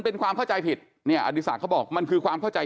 เป็นความเข้าใจผิดเนี่ยอดีศักดิ์เขาบอกมันคือความเข้าใจ